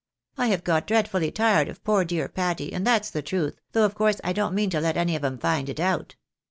I have got dreadfully tired of poor dear Patty, and that's the truth, though of course I don't mean to let any of 'em find it out.